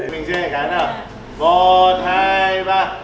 mình xin hãy gắn nào